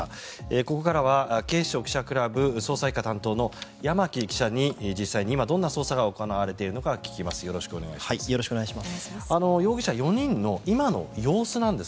ここからは警視庁記者クラブ捜査１課担当の山木記者に実際今どんな捜査が行われているのか伺います。